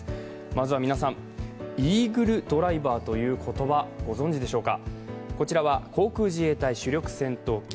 まずは皆さん、イーグルドライバーという言葉、ご存じでしょうか。